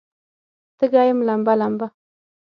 تږې یم لمبه، لمبه